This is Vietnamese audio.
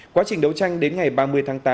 quá trình đấu tranh đến ngày ba mươi tháng tám